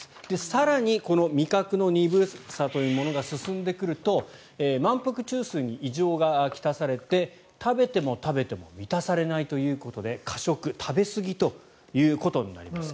更に、味覚の鈍さというのが進んでくると満腹中枢に異常が来されて食べても食べても満たされないということで、過食食べすぎということになります。